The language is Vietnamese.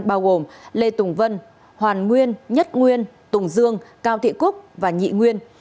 bao gồm lê tùng vân hoàn nguyên nhất nguyên tùng dương cao thị cúc và nhị nguyên